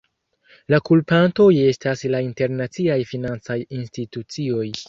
La kulpantoj estas la internaciaj financaj institucioj.